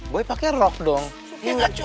boy pake rok dong ya gak cukup